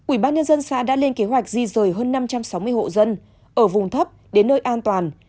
ủy ban nhân dân xã đã lên kế hoạch di rời hơn năm trăm sáu mươi hộ dân ở vùng thấp đến nơi an toàn